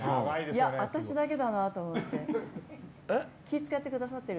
私だけだなと思って。